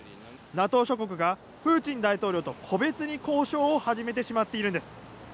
ＮＡＴＯ諸国がプーチン大統領と個別に交渉を始めてしまっているんです。